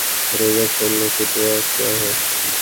روزہ کھولنے کی دعا کیا ہے